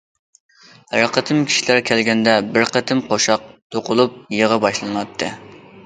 ھەر قېتىم كىشىلەر كەلگەندە بىر قېتىم قوشاق توقۇلۇپ يىغا باشلىناتتى.